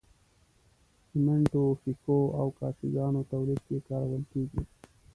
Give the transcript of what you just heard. سمنټو، ښيښو او کاشي ګانو تولید کې کارول کیږي.